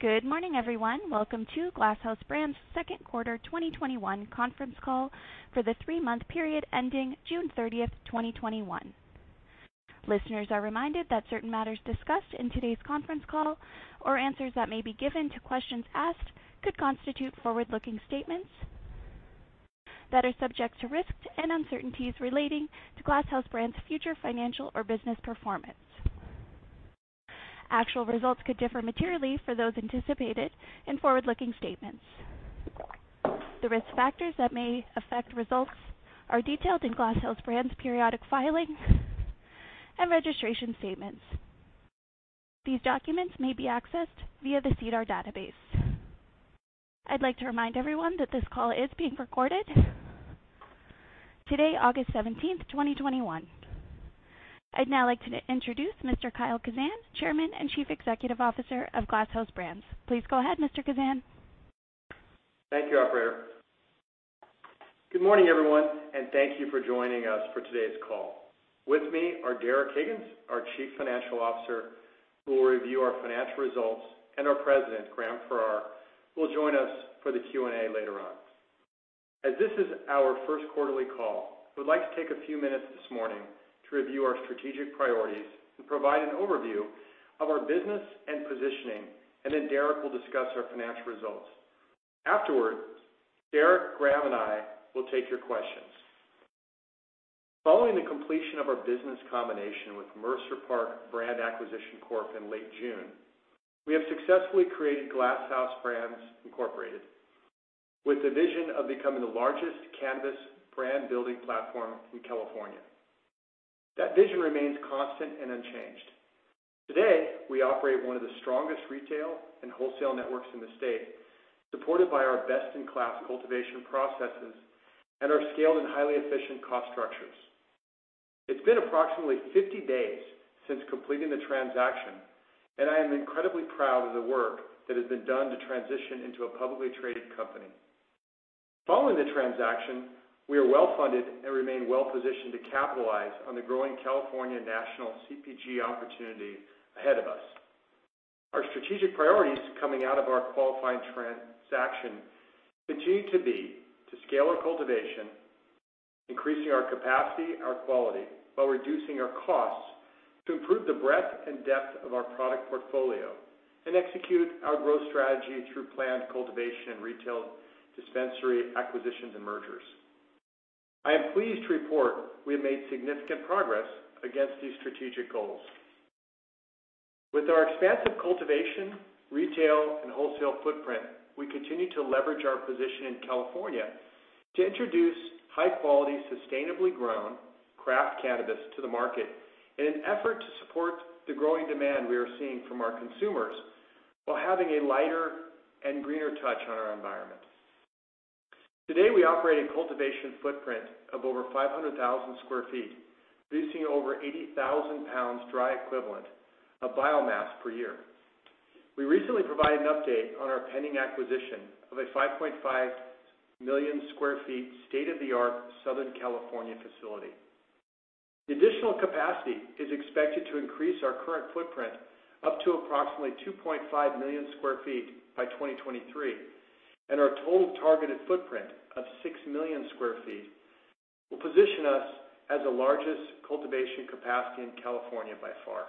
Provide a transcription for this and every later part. Good morning, everyone. Welcome to Glass House Brands second quarter 2021 conference call for the three-month period ending June 30th, 2021. Listeners are reminded that certain matters discussed in today's conference call, or answers that may be given to questions asked, could constitute forward-looking statements that are subject to risks and uncertainties relating to Glass House Brands' future financial or business performance. Actual results could differ materially for those anticipated in forward-looking statements. The risk factors that may affect results are detailed in Glass House Brands' periodic filing and registration statements. These documents may be accessed via the SEDAR database. I'd like to remind everyone that this call is being recorded. Today, August 17th, 2021. I'd now like to introduce Mr. Kyle Kazan, Chairman and Chief Executive Officer of Glass House Brands. Please go ahead, Mr. Kazan. Thank you, Operator. Good morning, everyone, and thank you for joining us for today's call. With me are Derek Higgins, our Chief Financial Officer, who will review our financial results, and our President, Graham Farrar, who will join us for the Q&A later on. As this is our first quarterly call, we'd like to take a few minutes this morning to review our strategic priorities and provide an overview of our business and positioning, and then Derek will discuss our financial results. Afterward, Derek, Graham, and I will take your questions. Following the completion of our business combination with Mercer Park Brand Acquisition Corp in late June, we have successfully created Glass House Brands Incorporated with the vision of becoming the largest cannabis brand-building platform in California. That vision remains constant and unchanged. Today, we operate one of the strongest retail and wholesale networks in the state, supported by our best-in-class cultivation processes and our scaled and highly efficient cost structures. It's been approximately 50 days since completing the transaction, and I am incredibly proud of the work that has been done to transition into a publicly traded company. Following the transaction, we are well-funded and remain well-positioned to capitalize on the growing California national CPG opportunity ahead of us. Our strategic priorities coming out of our qualifying transaction continue to be to scale our cultivation, increasing our capacity, our quality, while reducing our costs to improve the breadth and depth of our product portfolio and execute our growth strategy through planned cultivation and retail dispensary acquisitions and mergers. I am pleased to report we have made significant progress against these strategic goals. With our expansive cultivation, retail, and wholesale footprint, we continue to leverage our position in California to introduce high-quality, sustainably grown craft cannabis to the market in an effort to support the growing demand we are seeing from our consumers while having a lighter and greener touch on our environment. Today, we operate a cultivation footprint of over 500,000 sq ft, producing over 80,000 lbs dry equivalent of biomass per year. We recently provided an update on our pending acquisition of a 5.5 million sq ft state-of-the-art Southern California facility. The additional capacity is expected to increase our current footprint up to approximately 2.5 million sq ft by 2023, and our total targeted footprint of 6 million sq ft will position us as the largest cultivation capacity in California by far.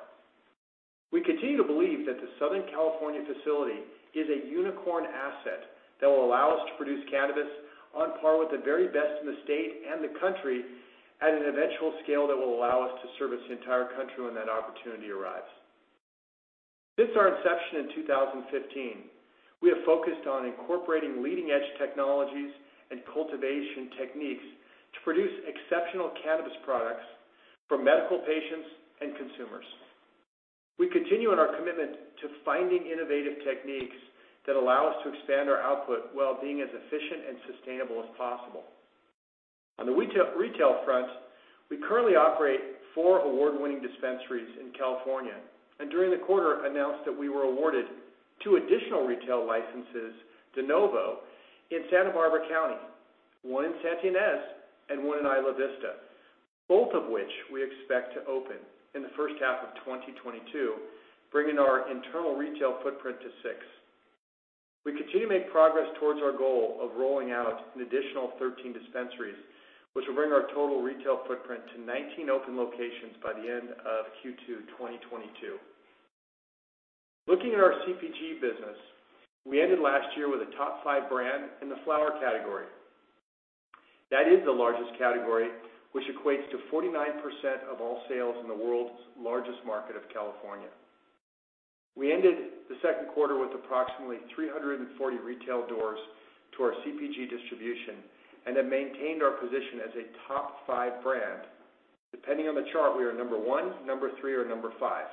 We continue to believe that the Southern California facility is a unicorn asset that will allow us to produce cannabis on par with the very best in the state and the country at an eventual scale that will allow us to service the entire country when that opportunity arrives. Since our inception in 2015, we have focused on incorporating leading-edge technologies and cultivation techniques to produce exceptional cannabis products for medical patients and consumers. We continue on our commitment to finding innovative techniques that allow us to expand our output while being as efficient and sustainable as possible. On the retail front, we currently operate four award-winning dispensaries in California, and during the quarter, announced that we were awarded two additional retail licenses de novo in Santa Barbara County, one in Santa Ynez, and one in Isla Vista, both of which we expect to open in the first half of 2022, bringing our internal retail footprint to six. We continue to make progress towards our goal of rolling out an additional 13 dispensaries, which will bring our total retail footprint to 19 open locations by the end of Q2 2022. Looking at our CPG business, we ended last year with a top five brand in the flower category. That is the largest category, which equates to 49% of all sales in the world's largest market of California. We ended the second quarter with approximately 340 retail doors to our CPG distribution and have maintained our position as a top five brand. Depending on the chart, we are number 1, number 3, or number 5.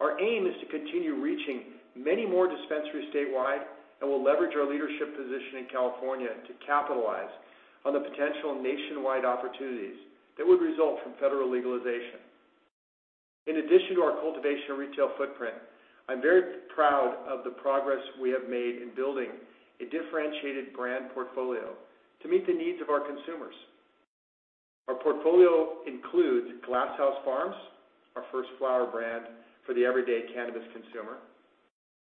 Our aim is to continue reaching many more dispensaries statewide and will leverage our leadership position in California to capitalize on the potential nationwide opportunities that would result from federal legalization. In addition to our cultivation retail footprint, I'm very proud of the progress we have made in building a differentiated brand portfolio to meet the needs of our consumers. Our portfolio includes Glass House Farms, our first flower brand for the everyday cannabis consumer,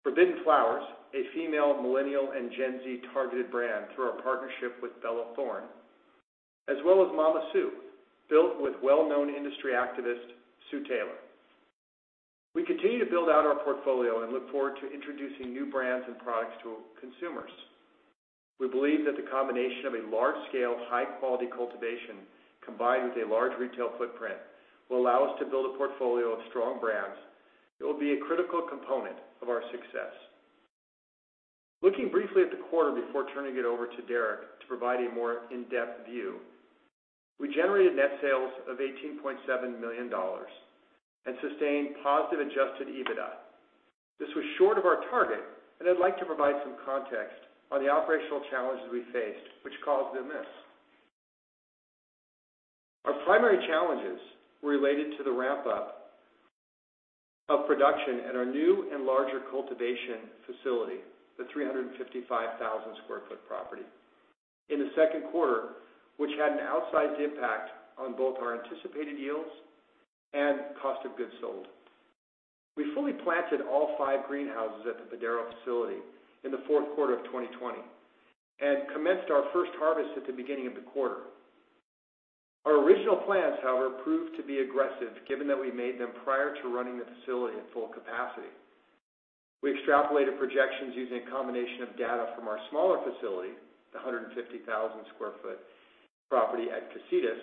Forbidden Flowers, a female millennial and Gen Z targeted brand through our partnership with Bella Thorne, as well as Mama Sue, built with well-known industry activist Sue Taylor. We continue to build out our portfolio and look forward to introducing new brands and products to consumers. We believe that the combination of a large-scale, high-quality cultivation combined with a large retail footprint will allow us to build a portfolio of strong brands that will be a critical component of our success. Looking briefly at the quarter before turning it over to Derek to provide a more in-depth view, we generated net sales of $18.7 million and sustained positive Adjusted EBITDA. This was short of our target, and I'd like to provide some context on the operational challenges we faced, which caused the miss. Our primary challenges were related to the ramp-up of production at our new and larger cultivation facility, the 355,000 sq ft property, in the second quarter, which had an outsized impact on both our anticipated yields and cost of goods sold. We fully planted all 5 greenhouses at the Padaro facility in the fourth quarter of 2020 and commenced our first harvest at the beginning of the quarter. Our original plans, however, proved to be aggressive given that we made them prior to running the facility at full capacity. We extrapolated projections using a combination of data from our smaller facility, the 150,000 sq ft property at Casitas,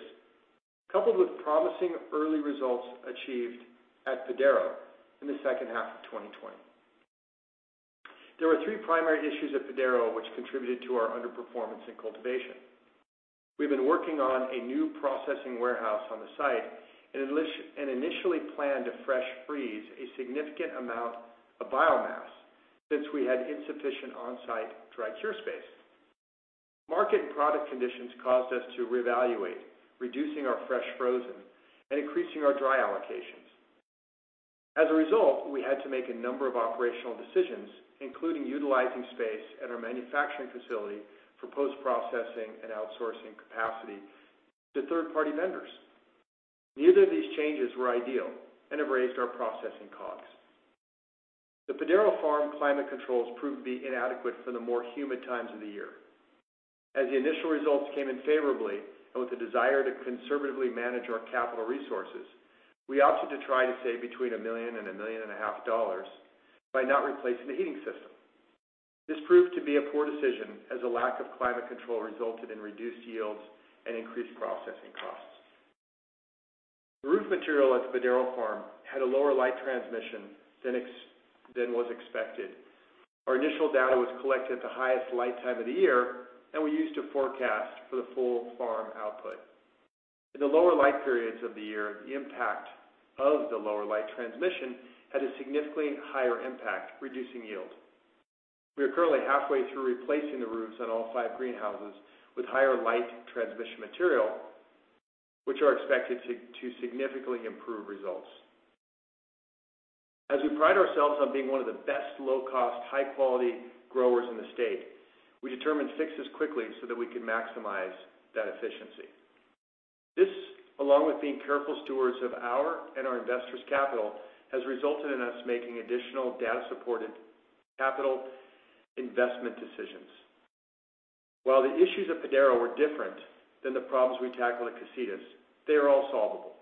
coupled with promising early results achieved at Padaro in the second half of 2020. There were three primary issues at Padaro which contributed to our underperformance in cultivation. We've been working on a new processing warehouse on the site and initially planned to fresh freeze a significant amount of biomass since we had insufficient on-site dry cure space. Market and product conditions caused us to reevaluate, reducing our fresh frozen and increasing our dry allocations. As a result, we had to make a number of operational decisions, including utilizing space at our manufacturing facility for post-processing and outsourcing capacity to third-party vendors. Neither of these changes were ideal and have raised our processing costs. The Padaro Farm climate controls proved to be inadequate for the more humid times of the year. As the initial results came in favorably and with a desire to conservatively manage our capital resources, we opted to try to save between $1 million and $1.5 million by not replacing the heating system. This proved to be a poor decision as a lack of climate control resulted in reduced yields and increased processing costs. The roof material at the Padaro Farm had a lower light transmission than was expected. Our initial data was collected at the highest light time of the year, and we used a forecast for the full farm output. In the lower light periods of the year, the impact of the lower light transmission had a significantly higher impact, reducing yield. We are currently halfway through replacing the roofs on all five greenhouses with higher light transmission material, which are expected to significantly improve results. As we pride ourselves on being one of the best low-cost, high-quality growers in the state, we determined fixes quickly so that we could maximize that efficiency. This, along with being careful stewards of our and our investors' capital, has resulted in us making additional data-supported capital investment decisions. While the issues at Padaro were different than the problems we tackled at Casitas, they are all solvable.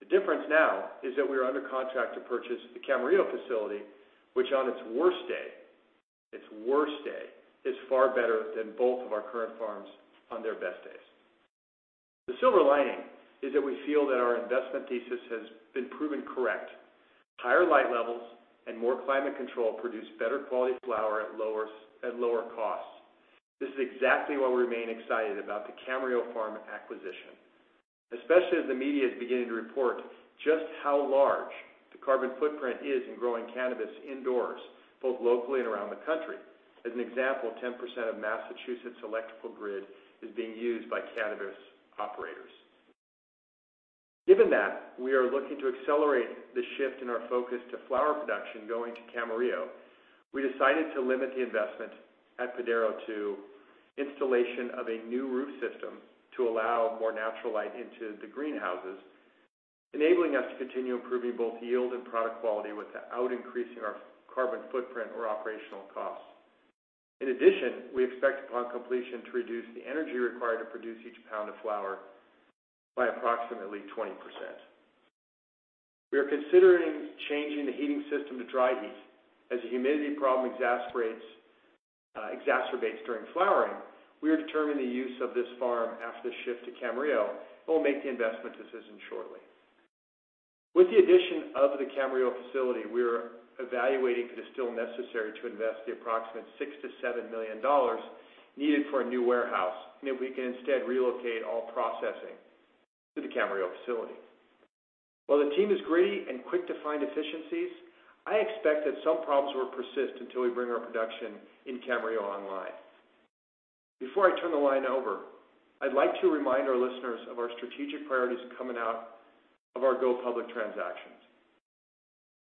The difference now is that we are under contract to purchase the Camarillo facility, which on its worst day, its worst day, is far better than both of our current farms on their best days. The silver lining is that we feel that our investment thesis has been proven correct. Higher light levels and more climate control produce better quality flower at lower costs. This is exactly why we remain excited about the Camarillo farm acquisition, especially as the media is beginning to report just how large the carbon footprint is in growing cannabis indoors, both locally and around the country. As an example, 10% of Massachusetts' electrical grid is being used by cannabis operators. Given that we are looking to accelerate the shift in our focus to flower production going to Camarillo, we decided to limit the investment at Padaro to installation of a new roof system to allow more natural light into the greenhouses, enabling us to continue improving both yield and product quality without increasing our carbon footprint or operational costs. In addition, we expect upon completion to reduce the energy required to produce each pound of flower by approximately 20%. We are considering changing the heating system to dry heat as the humidity problem exacerbates during flowering. We are determining the use of this farm after the shift to Camarillo and will make the investment decision shortly. With the addition of the Camarillo facility, we are evaluating if it is still necessary to invest the approximate $6 million-$7 million needed for a new warehouse and if we can instead relocate all processing to the Camarillo facility. While the team is gritty and quick to find efficiencies, I expect that some problems will persist until we bring our production in Camarillo online. Before I turn the line over, I'd like to remind our listeners of our strategic priorities coming out of our go-public transactions.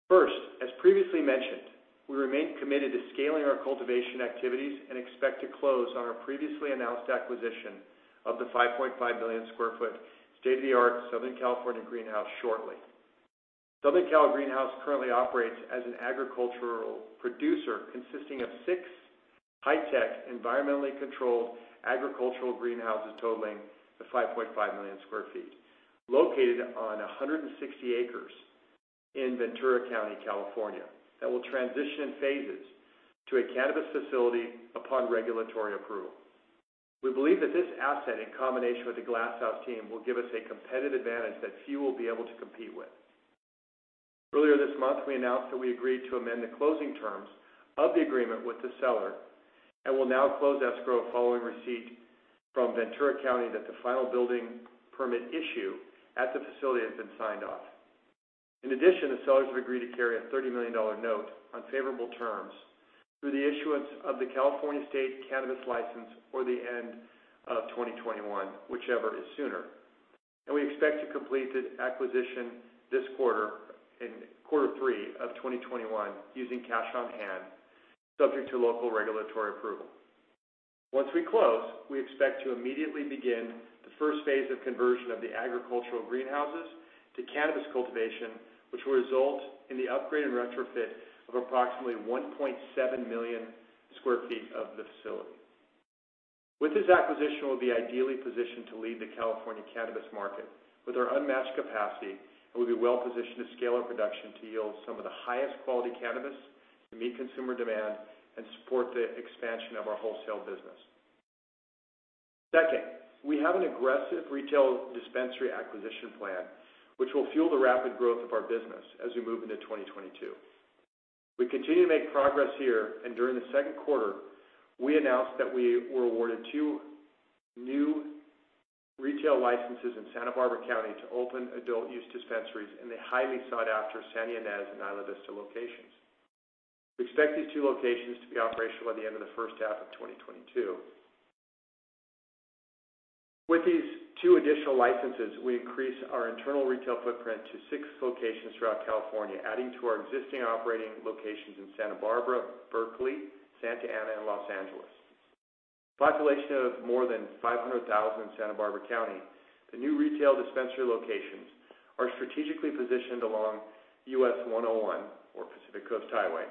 First, as previously mentioned, we remain committed to scaling our cultivation activities and expect to close on our previously announced acquisition of the 5.5 million sq ft state-of-the-art Southern California greenhouse shortly. Southern Cal Greenhouse currently operates as an agricultural producer consisting of six high-tech, environmentally controlled agricultural greenhouses totaling 5.5 million sq ft, located on 160 acres in Ventura County, California, that will transition in phases to a cannabis facility upon regulatory approval. We believe that this asset, in combination with the Glass House team, will give us a competitive advantage that few will be able to compete with. Earlier this month, we announced that we agreed to amend the closing terms of the agreement with the seller and will now close escrow following receipt from Ventura County that the final building permit issue at the facility has been signed off. In addition, the sellers have agreed to carry a $30 million note on favorable terms through the issuance of the California State Cannabis License or the end of 2021, whichever is sooner. We expect to complete the acquisition this quarter in quarter three of 2021 using cash on hand, subject to local regulatory approval. Once we close, we expect to immediately begin the first phase of conversion of the agricultural greenhouses to cannabis cultivation, which will result in the upgrade and retrofit of approximately 1.7 million sq ft of the facility. With this acquisition, we'll be ideally positioned to lead the California cannabis market with our unmatched capacity and will be well positioned to scale our production to yield some of the highest quality cannabis to meet consumer demand and support the expansion of our wholesale business. Second, we have an aggressive retail dispensary acquisition plan, which will fuel the rapid growth of our business as we move into 2022. We continue to make progress here, and during the second quarter, we announced that we were awarded two new retail licenses in Santa Barbara County to open adult use dispensaries in the highly sought-after Santa Ynez and Isla Vista locations. We expect these two locations to be operational by the end of the first half of 2022. With these two additional licenses, we increase our internal retail footprint to six locations throughout California, adding to our existing operating locations in Santa Barbara, Berkeley, Santa Ana, and Los Angeles. Population of more than 500,000 in Santa Barbara County, the new retail dispensary locations are strategically positioned along U.S. 101 or Pacific Coast Highway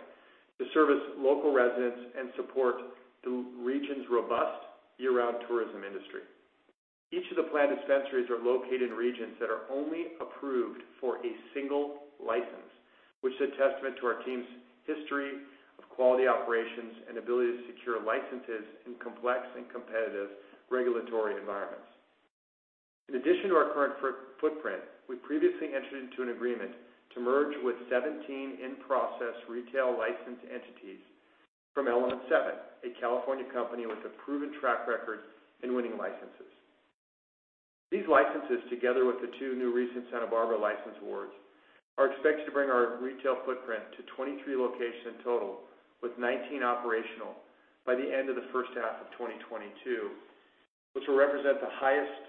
to service local residents and support the region's robust year-round tourism industry. Each of the planned dispensaries are located in regions that are only approved for a single license, which is a testament to our team's history of quality operations and ability to secure licenses in complex and competitive regulatory environments. In addition to our current footprint, we previously entered into an agreement to merge with 17 in-process retail license entities from Element 7, a California company with a proven track record in winning licenses. These licenses, together with the 2 new recent Santa Barbara license awards, are expected to bring our retail footprint to 23 locations in total with 19 operational by the end of the first half of 2022, which will represent the highest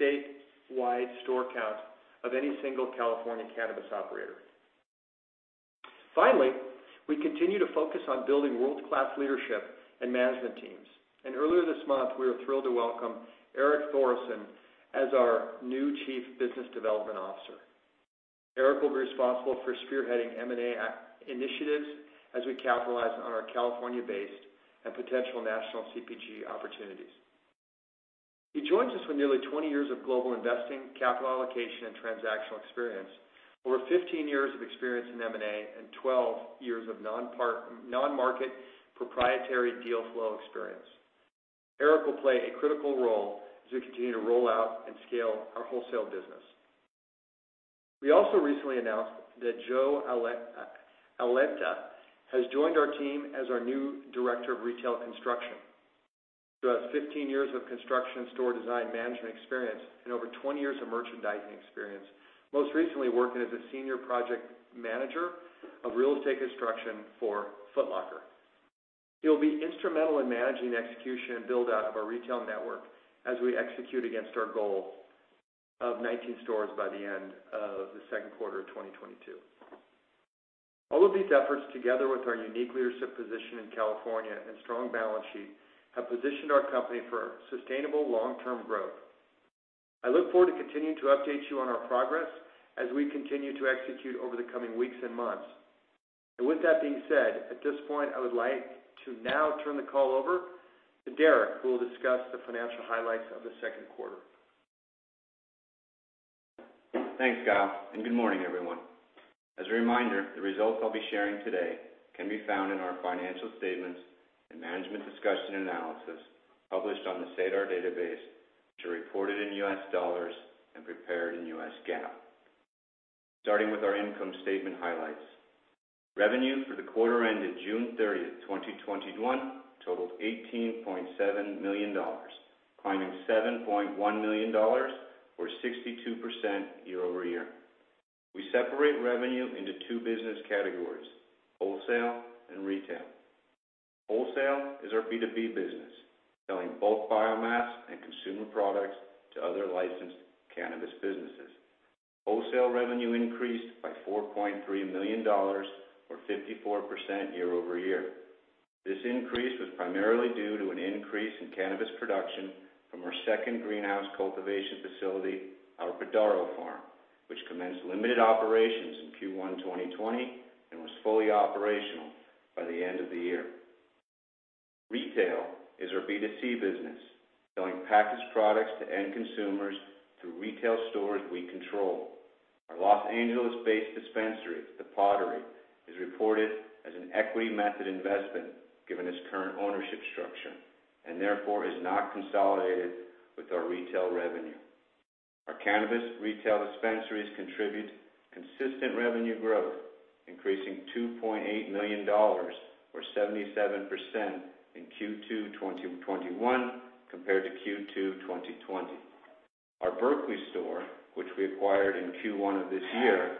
statewide store count of any single California cannabis operator. Finally, we continue to focus on building world-class leadership and management teams. And earlier this month, we were thrilled to welcome Eric Thoresen as our new Chief Business Development Officer. Eric will be responsible for spearheading M&A initiatives as we capitalize on our California-based and potential national CPG opportunities. He joins us with nearly 20 years of global investing, capital allocation, and transactional experience, over 15 years of experience in M&A, and 12 years of non-market proprietary deal flow experience. Eric will play a critical role as we continue to roll out and scale our wholesale business. We also recently announced that Joe Falletta has joined our team as our new Director of Retail Construction. He has 15 years of construction and store design management experience and over 20 years of merchandising experience, most recently working as a senior project manager of real estate construction for Foot Locker. He will be instrumental in managing the execution and build-out of our retail network as we execute against our goal of 19 stores by the end of the second quarter of 2022. All of these efforts, together with our unique leadership position in California and strong balance sheet, have positioned our company for sustainable long-term growth. I look forward to continuing to update you on our progress as we continue to execute over the coming weeks and months. And with that being said, at this point, I would like to now turn the call over to Derek, who will discuss the financial highlights of the second quarter. Thanks, Kyle, and good morning, everyone. As a reminder, the results I'll be sharing today can be found in our financial statements and management discussion analysis published on the SEDAR database, which are reported in U.S. dollars and prepared in U.S. GAAP. Starting with our income statement highlights, revenue for the quarter ended June 30th, 2021, totaled $18.7 million, climbing $7.1 million or 62% year-over-year. We separate revenue into two business categories: wholesale and retail. Wholesale is our B2B business, selling both biomass and consumer products to other licensed cannabis businesses. Wholesale revenue increased by $4.3 million or 54% year-over-year. This increase was primarily due to an increase in cannabis production from our second greenhouse cultivation facility, our Padaro Farm, which commenced limited operations in Q1 2020 and was fully operational by the end of the year. Retail is our B2C business, selling packaged products to end consumers through retail stores we control. Our Los Angeles-based dispensary, The Pottery, is reported as an equity-method investment given its current ownership structure and therefore is not consolidated with our retail revenue. Our cannabis retail dispensaries contribute consistent revenue growth, increasing $2.8 million or 77% in Q2 2021 compared to Q2 2020. Our Berkeley store, which we acquired in Q1 of this year,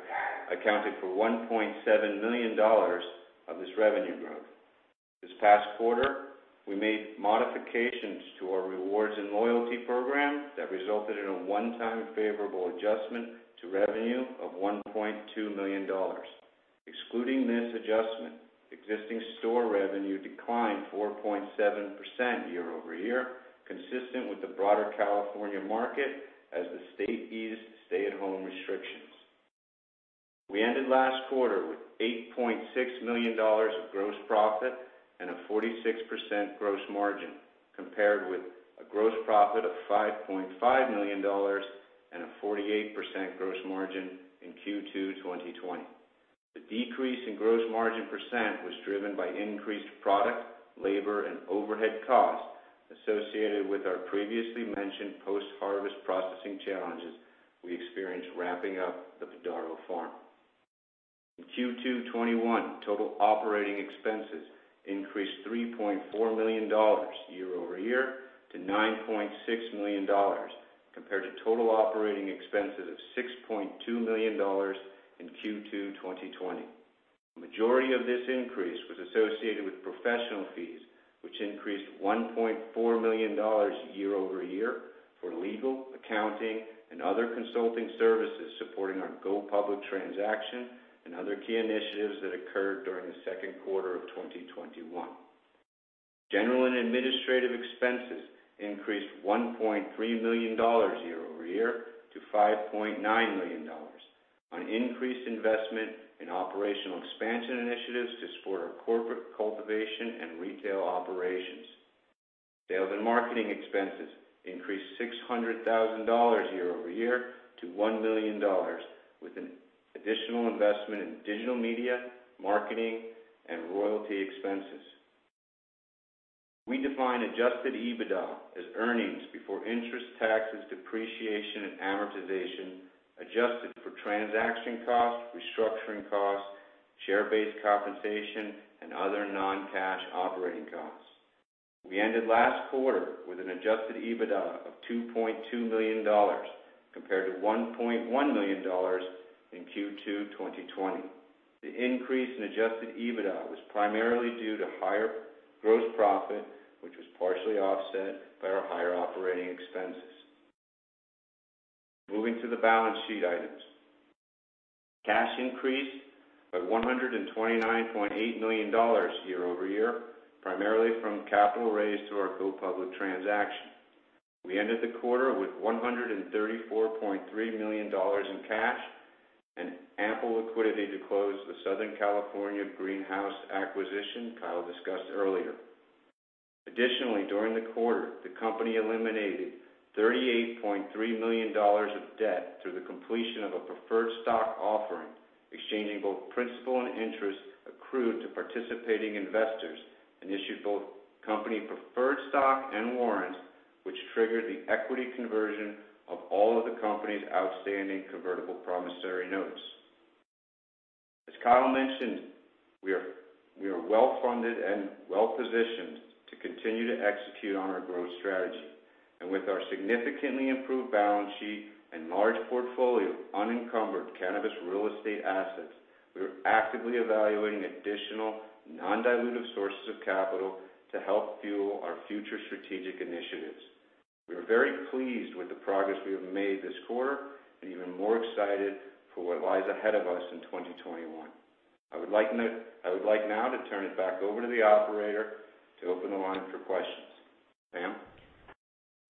accounted for $1.7 million of this revenue growth. This past quarter, we made modifications to our rewards and loyalty program that resulted in a one-time favorable adjustment to revenue of $1.2 million. Excluding this adjustment, existing store revenue declined 4.7% year-over-year, consistent with the broader California market as the state eased stay-at-home restrictions. We ended last quarter with $8.6 million of gross profit and a 46% gross margin, compared with a gross profit of $5.5 million and a 48% gross margin in Q2 2020. The decrease in gross margin percent was driven by increased product, labor, and overhead costs associated with our previously mentioned post-harvest processing challenges we experienced wrapping up the Padaro Farm. In Q2 2021, total operating expenses increased $3.4 million year-over-year to $9.6 million compared to total operating expenses of $6.2 million in Q2 2020. The majority of this increase was associated with professional fees, which increased $1.4 million year-over-year for legal, accounting, and other consulting services supporting our go-public transaction and other key initiatives that occurred during the second quarter of 2021. General and administrative expenses increased $1.3 million year-over-year to $5.9 million on increased investment in operational expansion initiatives to support our corporate cultivation and retail operations. Sales and marketing expenses increased $600,000 year-over-year to $1 million, with an additional investment in digital media, marketing, and royalty expenses. We define Adjusted EBITDA as earnings before interest, taxes, depreciation, and amortization adjusted for transaction costs, restructuring costs, share-based compensation, and other non-cash operating costs. We ended last quarter with an adjusted EBITDA of $2.2 million compared to $1.1 million in Q2 2020. The increase in adjusted EBITDA was primarily due to higher gross profit, which was partially offset by our higher operating expenses. Moving to the balance sheet items. Cash increased by $129.8 million year-over-year, primarily from capital raised through our go-public transaction. We ended the quarter with $134.3 million in cash and ample liquidity to close the Southern California greenhouse acquisition Kyle discussed earlier. Additionally, during the quarter, the company eliminated $38.3 million of debt through the completion of a preferred stock offering, exchanging both principal and interest accrued to participating investors, and issued both company preferred stock and warrants, which triggered the equity conversion of all of the company's outstanding convertible promissory notes. As Kyle mentioned, we are well-funded and well-positioned to continue to execute on our growth strategy. With our significantly improved balance sheet and large portfolio of unencumbered cannabis real estate assets, we are actively evaluating additional non-dilutive sources of capital to help fuel our future strategic initiatives. We are very pleased with the progress we have made this quarter and even more excited for what lies ahead of us in 2021. I would like now to turn it back over to the operator to open the line for questions. Sam?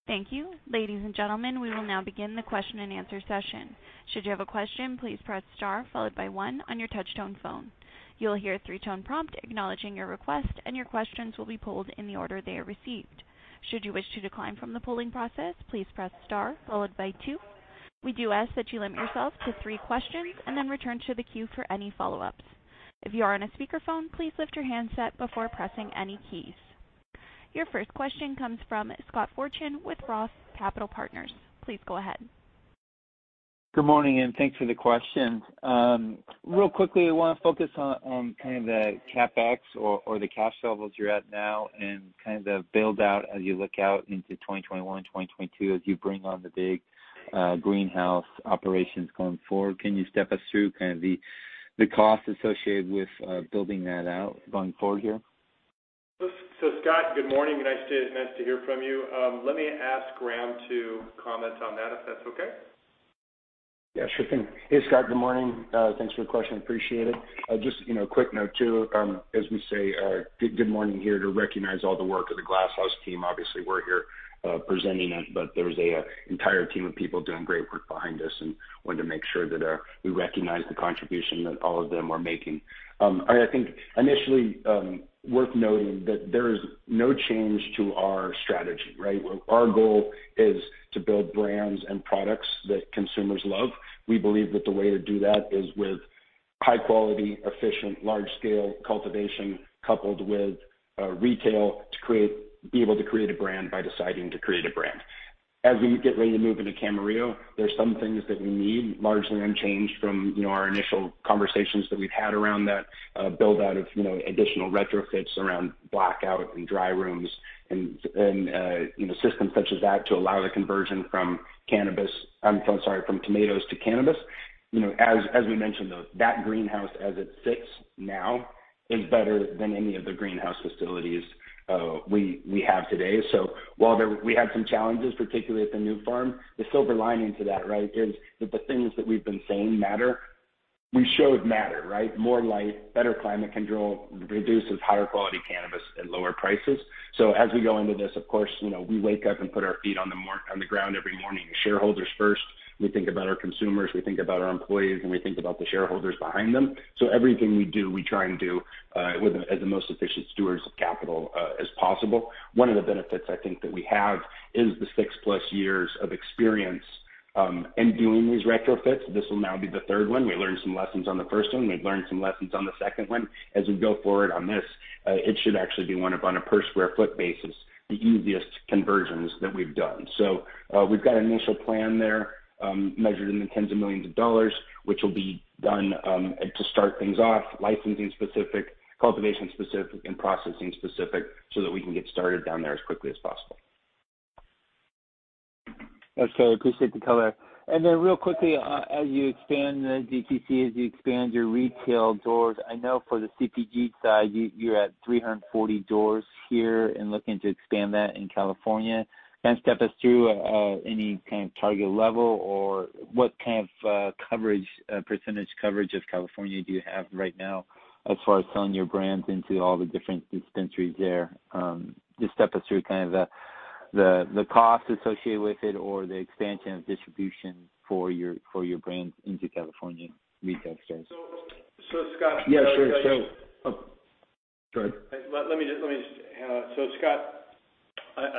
Thank you. Ladies and gentlemen, we will now begin the question and answer session. Should you have a question, please press star followed by one on your touch-tone phone. You'll hear a three-tone prompt acknowledging your request, and your questions will be pulled in the order they are received. Should you wish to decline from the polling process, please press star followed by two. We do ask that you limit yourself to three questions and then return to the queue for any follow-ups. If you are on a speakerphone, please lift your handset before pressing any keys. Your first question comes from Scott Fortune with Roth Capital Partners. Please go ahead. Good morning, and thanks for the question. Real quickly, I want to focus on kind of the CapEx or the cash levels you're at now and kind of the build-out as you look out into 2021, 2022 as you bring on the big greenhouse operations going forward. Can you step us through kind of the costs associated with building that out going forward here? So Scott, good morning. Nice to hear from you. Let me ask Graham to comment on that, if that's okay. Yeah, sure thing. Hey, Scott, good morning. Thanks for your question. Appreciate it. Just a quick note too, as we say, good morning here to recognize all the work of the Glass House team. Obviously, we're here presenting it, but there's an entire team of people doing great work behind us and wanted to make sure that we recognize the contribution that all of them are making. I think initially worth noting that there is no change to our strategy, right? Our goal is to build brands and products that consumers love. We believe that the way to do that is with high-quality, efficient, large-scale cultivation coupled with retail to be able to create a brand by deciding to create a brand. As we get ready to move into Camarillo, there are some things that we need largely unchanged from our initial conversations that we've had around that build-out of additional retrofits around blackout and dry rooms and systems such as that to allow the conversion from cannabis, I'm sorry, from tomatoes to cannabis. As we mentioned, though, that greenhouse as it sits now is better than any of the greenhouse facilities we have today. So while we had some challenges, particularly at the new farm, the silver lining to that, right, is that the things that we've been saying matter. We show it matters, right? More light, better climate control reduces higher quality cannabis at lower prices. So as we go into this, of course, we wake up and put our feet on the ground every morning. Shareholders first. We think about our consumers. We think about our employees, and we think about the shareholders behind them. So everything we do, we try and do as the most efficient stewards of capital as possible. One of the benefits I think that we have is the 6+ years of experience in doing these retrofits. This will now be the third one. We learned some lessons on the first one. We've learned some lessons on the second one. As we go forward on this, it should actually be one of, on a per-square-foot basis, the easiest conversions that we've done. So we've got an initial plan there measured in the $10 millions, which will be done to start things off, licensing-specific, cultivation-specific, and processing-specific so that we can get started down there as quickly as possible. That's great. Appreciate the color. Then real quickly, as you expand the DTC, as you expand your retail doors, I know for the CPG side, you're at 340 doors here and looking to expand that in California. Kind of step us through any kind of target level or what kind of percentage coverage of California do you have right now as far as selling your brands into all the different dispensaries there? Just step us through kind of the cost associated with it or the expansion of distribution for your brands into California retail stores. So Scott. Yeah, sure. So go ahead. Let me just—so Scott,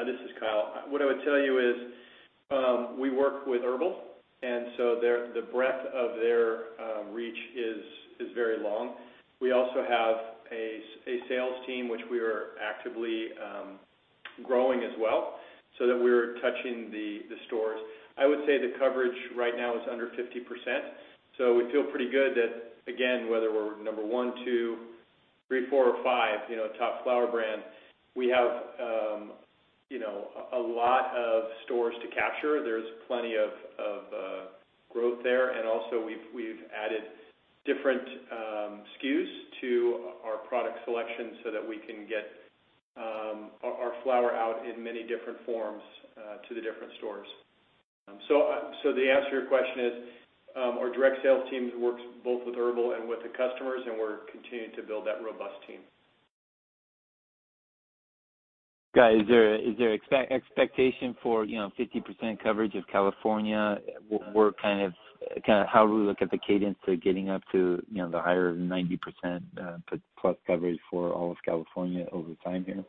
this is Kyle. What I would tell you is we work with HERBL, and so the breadth of their reach is very long. We also have a sales team, which we are actively growing as well so that we're touching the stores. I would say the coverage right now is under 50%. So we feel pretty good that, again, whether we're number one, two, three, four, or five, top flower brand, we have a lot of stores to capture. There's plenty of growth there. And also, we've added different SKUs to our product selection so that we can get our flower out in many different forms to the different stores. So the answer to your question is our direct sales team works both with HERBL and with the customers, and we're continuing to build that robust team. Guys, is there an expectation for 50% coverage of California? Kind of how do we look at the cadence to getting up to the higher 90%+ coverage for all of California over time here?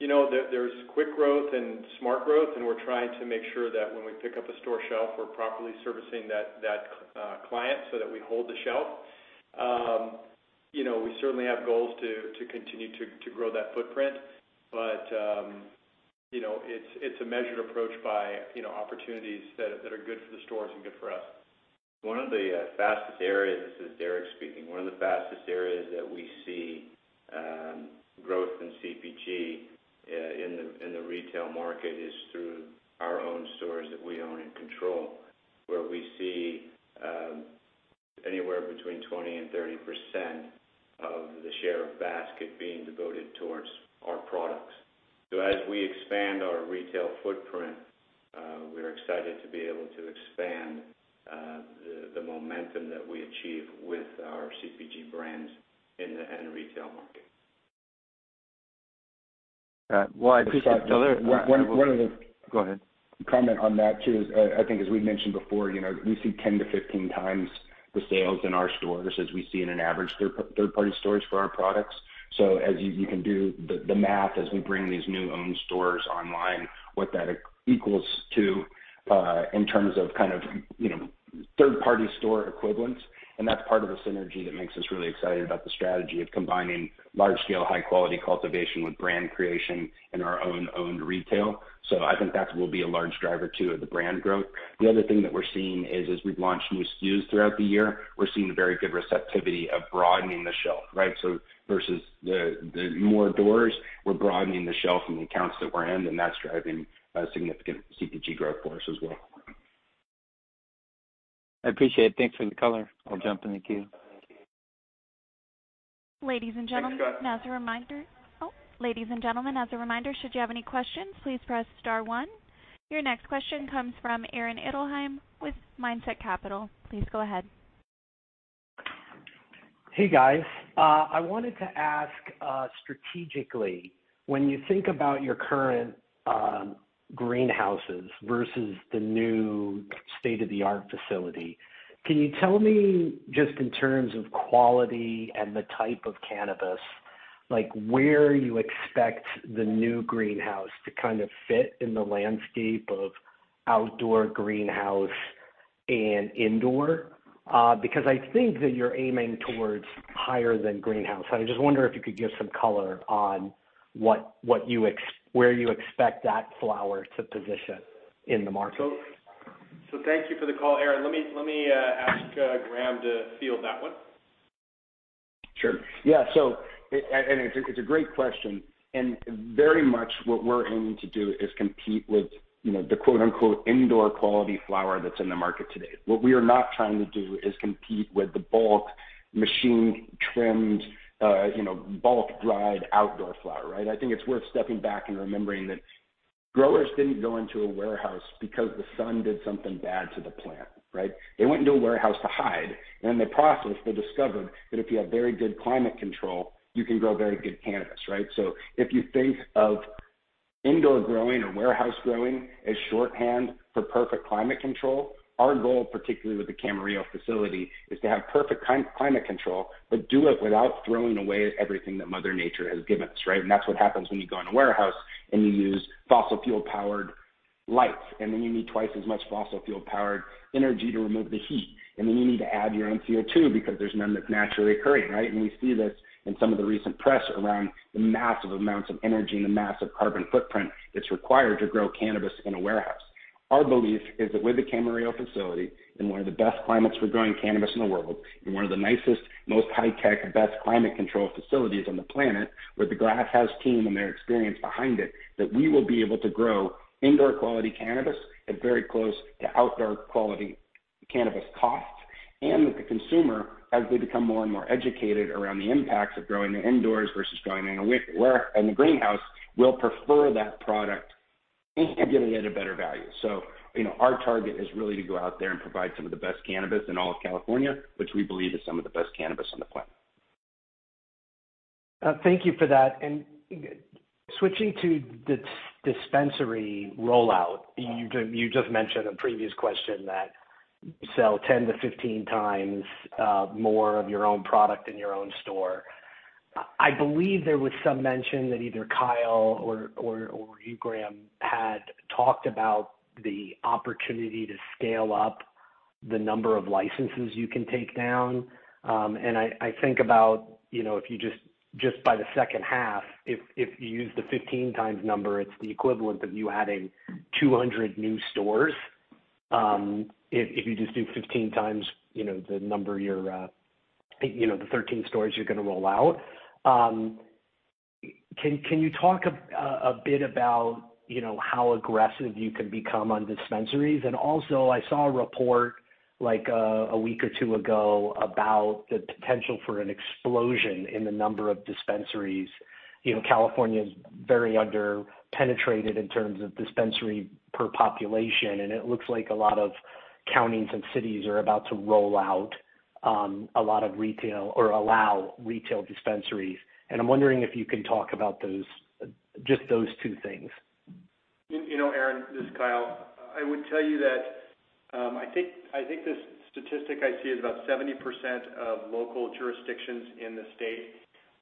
There's quick growth and smart growth, and we're trying to make sure that when we pick up a store shelf, we're properly servicing that client so that we hold the shelf. We certainly have goals to continue to grow that footprint, but it's a measured approach by opportunities that are good for the stores and good for us. One of the fastest areas, this is Derek speaking, one of the fastest areas that we see growth in CPG in the retail market is through our own stores that we own and control, where we see anywhere between 20% and 30% of the share of basket being devoted towards our products. So as we expand our retail footprint, we're excited to be able to expand the momentum that we achieve with our CPG brands in the end retail market. Well, I appreciate it. Scott, another— One of the... Go ahead. Comment on that too is, I think, as we mentioned before, we see 10x-15x the sales in our stores as we see in an average third-party stores for our products. So as you can do the math, as we bring these new-owned stores online, what that equals to in terms of kind of third-party store equivalents. And that's part of the synergy that makes us really excited about the strategy of combining large-scale, high-quality cultivation with brand creation in our own-owned retail. So I think that will be a large driver too of the brand growth. The other thing that we're seeing is, as we've launched new SKUs throughout the year, we're seeing very good receptivity of broadening the shelf, right? So versus the more doors, we're broadening the shelf and the accounts that we're in, and that's driving significant CPG growth for us as well. I appreciate it. Thanks for the color. I'll jump in the queue. Ladies and gentlemen, as a reminder, should you have any questions, please press star one. Your next question comes from Aaron Edelheit with Mindset Capital. Please go ahead. Hey, guys. I wanted to ask strategically, when you think about your current greenhouses versus the new state-of-the-art facility, can you tell me just in terms of quality and the type of cannabis, where you expect the new greenhouse to kind of fit in the landscape of outdoor greenhouse and indoor? Because I think that you're aiming towards higher than greenhouse. I just wonder if you could give some color on where you expect that flower to position in the market. Thank you for the call, Aaron. Let me ask Graham to field that one. Sure. Yeah. It's a great question. Very much what we're aiming to do is compete with the "indoor quality" flower that's in the market today. What we are not trying to do is compete with the bulk machine-trimmed, bulk-dried outdoor flower, right? I think it's worth stepping back and remembering that growers didn't go into a warehouse because the sun did something bad to the plant, right? They went into a warehouse to hide. In the process, they discovered that if you have very good climate control, you can grow very good cannabis, right? So if you think of indoor growing or warehouse growing as shorthand for perfect climate control, our goal, particularly with the Camarillo facility, is to have perfect climate control, but do it without throwing away everything that Mother Nature has given us, right? That's what happens when you go in a warehouse and you use fossil fuel-powered lights, and then you need twice as much fossil fuel-powered energy to remove the heat, and then you need to add your own CO2 because there's none that's naturally occurring, right? We see this in some of the recent press around the massive amounts of energy and the massive carbon footprint that's required to grow cannabis in a warehouse. Our belief is that with the Camarillo facility and one of the best climates for growing cannabis in the world and one of the nicest, most high-tech, best climate control facilities on the planet with the Glass House team and their experience behind it, that we will be able to grow indoor quality cannabis at very close to outdoor quality cannabis costs and that the consumer, as they become more and more educated around the impacts of growing it indoors versus growing it in the greenhouse, will prefer that product and get a better value. So our target is really to go out there and provide some of the best cannabis in all of California, which we believe is some of the best cannabis on the planet. Thank you for that. Switching to the dispensary rollout, you just mentioned a previous question that you sell 10x-15x more of your own product in your own store. I believe there was some mention that either Kyle or you, Graham, had talked about the opportunity to scale up the number of licenses you can take down. I think about if you just by the second half, if you use the 15x number, it's the equivalent of you adding 200 new stores if you just do 15x the number, the 13 stores you're going to roll out. Can you talk a bit about how aggressive you can become on dispensaries? Also, I saw a report like a week or two ago about the potential for an explosion in the number of dispensaries. California is very under-penetrated in terms of dispensary per population, and it looks like a lot of counties and cities are about to roll out a lot of retail or allow retail dispensaries. I'm wondering if you can talk about just those two things. Aaron, this is Kyle. I would tell you that I think this statistic I see is about 70% of local jurisdictions in the state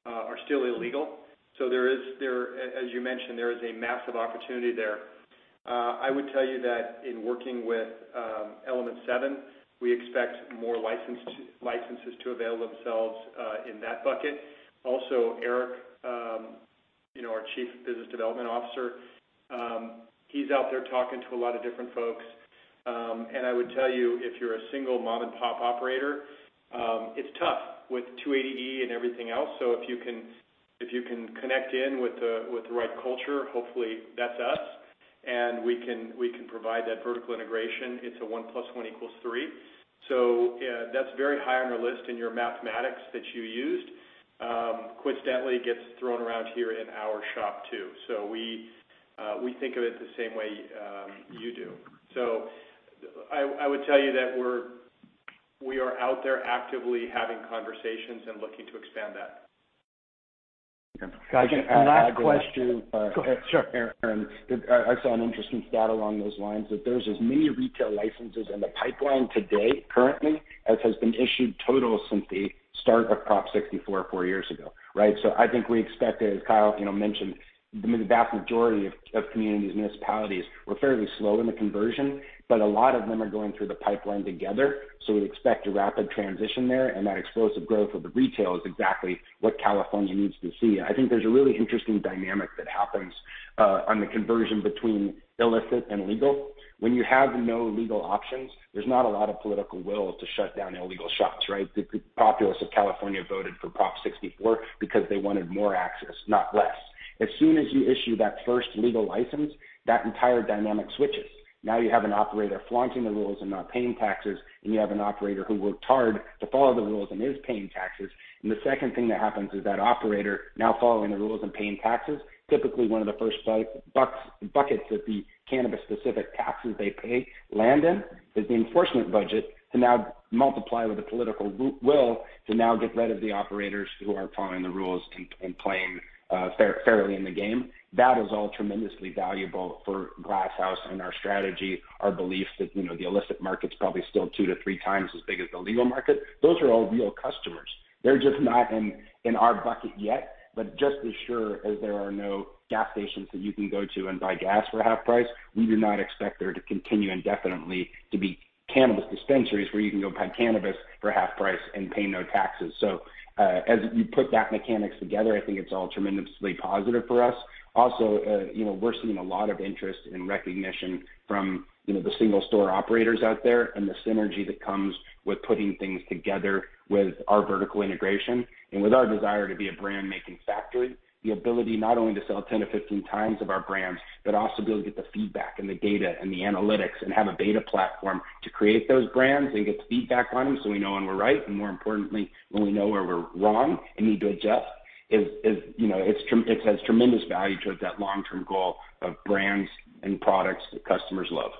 are still illegal. So as you mentioned, there is a massive opportunity there. I would tell you that in working with Element 7, we expect more licenses to avail themselves in that bucket. Also, Eric, our Chief Business Development Officer, he's out there talking to a lot of different folks. And I would tell you, if you're a single mom-and-pop operator, it's tough with 280E and everything else. So if you can connect in with the right culture, hopefully, that's us, and we can provide that vertical integration. It's a 1 plus 1 equals 3. So that's very high on our list in your mathematics that you used. Quantitatively gets thrown around here in our shop too. So we think of it the same way you do. So I would tell you that we are out there actively having conversations and looking to expand that. Guys, last question. Go ahead. Sure. Aaron, I saw an interesting stat along those lines that there's as many retail licenses in the pipeline today currently as has been issued total since the start of Prop 64 and 4 years ago, right? So I think we expect it, as Kyle mentioned, the vast majority of communities, municipalities, were fairly slow in the conversion, but a lot of them are going through the pipeline together. So we expect a rapid transition there, and that explosive growth of the retail is exactly what California needs to see. I think there's a really interesting dynamic that happens on the conversion between illicit and legal. When you have no legal options, there's not a lot of political will to shut down illegal shops, right? The populace of California voted for Prop 64 because they wanted more access, not less. As soon as you issue that first legal license, that entire dynamic switches. Now you have an operator flaunting the rules and not paying taxes, and you have an operator who worked hard to follow the rules and is paying taxes. And the second thing that happens is that operator now following the rules and paying taxes, typically one of the first buckets that the cannabis-specific taxes they pay land in is the enforcement budget to now multiply with the political will to now get rid of the operators who are following the rules and playing fairly in the game. That is all tremendously valuable for Glass House and our strategy, our belief that the illicit market's probably still 2x-3x as big as the legal market. Those are all real customers. They're just not in our bucket yet. Just as sure as there are no gas stations that you can go to and buy gas for half price, we do not expect there to continue indefinitely to be cannabis dispensaries where you can go buy cannabis for half price and pay no taxes. As you put the mechanics together, I think it's all tremendously positive for us. Also, we're seeing a lot of interest and recognition from the single store operators out there and the synergy that comes with putting things together with our vertical integration and with our desire to be a brand-making factory, the ability not only to sell 10x-15x of our brands, but also be able to get the feedback and the data and the analytics and have a beta platform to create those brands and get feedback on them so we know when we're right and, more importantly, when we know where we're wrong and need to adjust; it has tremendous value to that long-term goal of brands and products that customers love.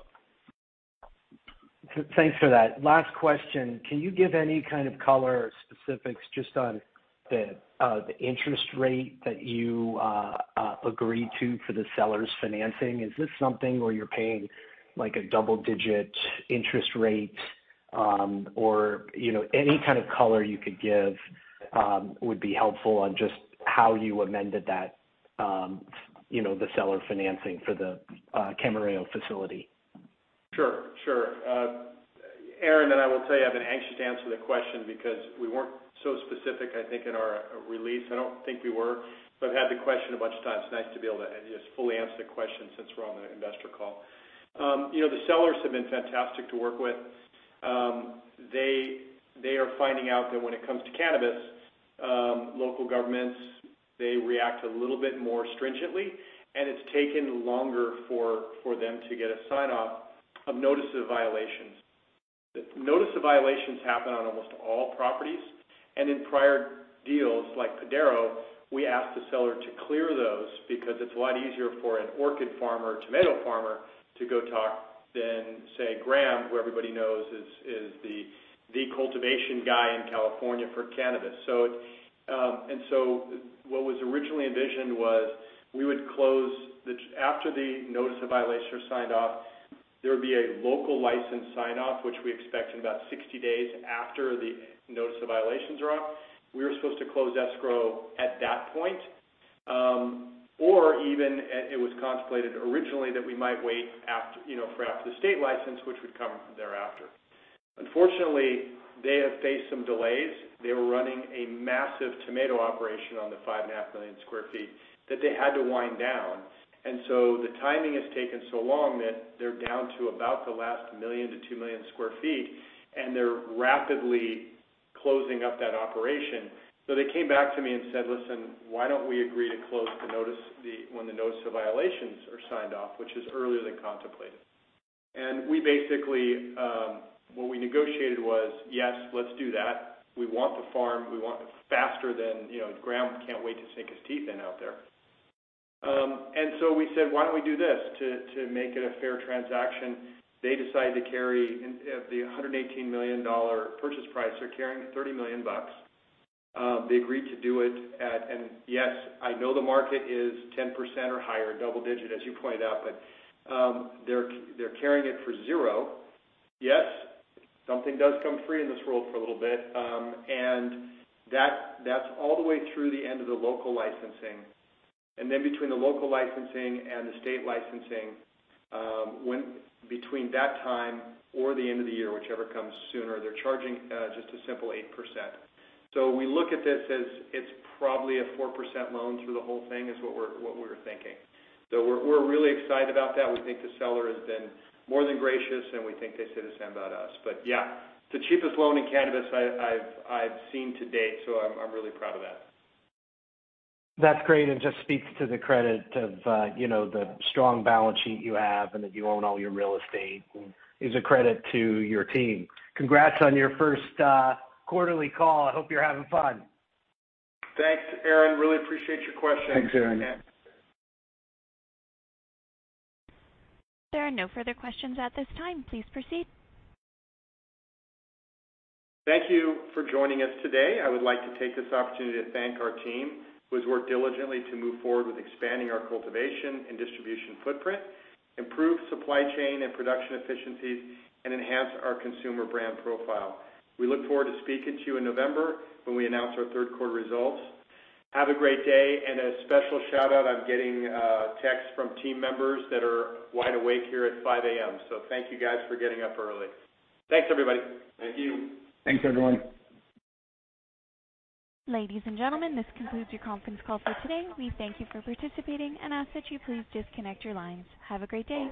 Thanks for that. Last question. Can you give any kind of color specifics just on the interest rate that you agreed to for the seller's financing? Is this something where you're paying a double-digit interest rate? Or any kind of color you could give would be helpful on just how you amended the seller financing for the Camarillo facility? Sure. Sure. Aaron, and I will tell you, I have an anxious answer to the question because we weren't so specific, I think, in our release. I don't think we were. But I've had the question a bunch of times. It's nice to be able to just fully answer the question since we're on the investor call. The sellers have been fantastic to work with. They are finding out that when it comes to cannabis, local governments, they react a little bit more stringently, and it's taken longer for them to get a sign-off of notices of violations. Notices of violations happen on almost all properties. And in prior deals like Padaro, we asked the seller to clear those because it's a lot easier for an orchid farmer, tomato farmer to go talk than, say, Graham, who everybody knows is the cultivation guy in California for cannabis. What was originally envisioned was we would close after the notice of violation are signed off, there would be a local license sign-off, which we expect in about 60 days after the notice of violations are off. We were supposed to close escrow at that point. Or even it was contemplated originally that we might wait for after the state license, which would come thereafter. Unfortunately, they have faced some delays. They were running a massive tomato operation on the 5.5 million sq ft that they had to wind down. And so the timing has taken so long that they're down to about the last 1 million-2 million sq ft, and they're rapidly closing up that operation. So they came back to me and said, "Listen, why don't we agree to close when the notice of violations are signed off, which is earlier than contemplated?" And basically, what we negotiated was, "Yes, let's do that. We want the farm. We want it faster than Graham can't wait to sink his teeth in out there." And so we said, "Why don't we do this to make it a fair transaction?" They decided to carry the $118 million purchase price. They're carrying $30 million. They agreed to do it. And yes, I know the market is 10% or higher, double-digit, as you pointed out, but they're carrying it for zero. Yes, something does come free in this world for a little bit. And that's all the way through the end of the local licensing. And then between the local licensing and the state licensing, between that time or the end of the year, whichever comes sooner, they're charging just a simple 8%. So we look at this as it's probably a 4% loan through the whole thing is what we were thinking. So we're really excited about that. We think the seller has been more than gracious, and we think they say the same about us. But yeah, the cheapest loan in cannabis I've seen to date. So I'm really proud of that. That's great and just speaks to the credit of the strong balance sheet you have and that you own all your real estate and is a credit to your team. Congrats on your first quarterly call. I hope you're having fun. Thanks, Aaron. Really appreciate your questions. Thanks, Aaron. There are no further questions at this time. Please proceed. Thank you for joining us today. I would like to take this opportunity to thank our team who has worked diligently to move forward with expanding our cultivation and distribution footprint, improve supply chain and production efficiencies, and enhance our consumer brand profile. We look forward to speaking to you in November when we announce our third quarter results. Have a great day. And a special shout-out. I'm getting texts from team members that are wide awake here at 5:00 A.M. So thank you, guys, for getting up early. Thanks, everybody. Thank you. Thanks, everyone. Ladies and gentlemen, this concludes your conference call for today. We thank you for participating and ask that you please disconnect your lines. Have a great day.